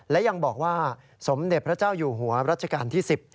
และยังบอกว่าสมเด็จพระเจ้าอยู่หัวรัชกาลที่๑๐